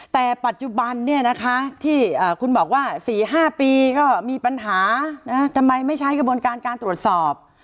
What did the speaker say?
แต่ปัจจุบันที่คุณบอกว่า๔๕ปีก็มีปัญหาทำไมไม่ใช้กระบวนการการตรวจสอบ